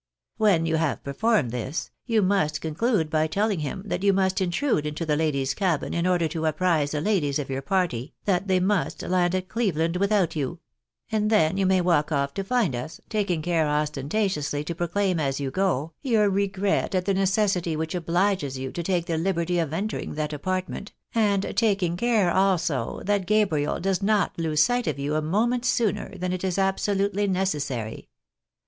When you have performed this, you must conclude by telUng him that you must intrude into the ladies' cabin in order to apprise the ladies of your party that they must land at Cleveland without you ; and then you may walk off to find us, taking care ostentatiously to proclaim as you go, your regret at the necessity which obliges you to take the liberty of entering that apartment, and taking care also that Gabriel does not lose sight of you a moment sooner than is absolutely necessary.